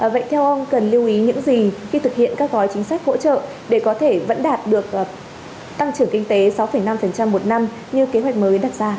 vậy theo ông cần lưu ý những gì khi thực hiện các gói chính sách hỗ trợ để có thể vẫn đạt được tăng trưởng kinh tế sáu năm một năm như kế hoạch mới đặt ra